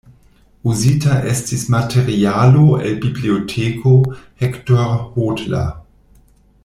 Uzita estis materialo el Biblioteko Hector Hodler.